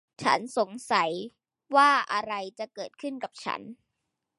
ฉันสงสัยว่าอะไรจะเกิดขึ้นกับฉัน !